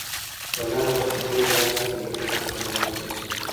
په لنډ وخت کې درې لاس تړلي کسان راوستل شول.